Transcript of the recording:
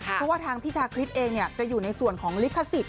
เพราะว่าทางพี่ชาคริสเองจะอยู่ในส่วนของลิขสิทธิ